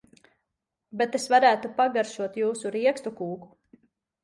Bet es varētu pagaršotjūsu riekstu kūku.